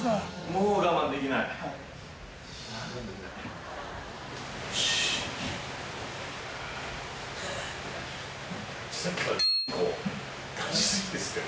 もう我慢できないよ